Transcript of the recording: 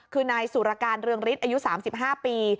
คือนายสุรการเรืองฤทธิ์อายุ๓๕ปี